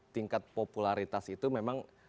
tingkat popularitas itu memang